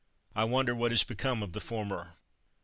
I wonder what has become of the former.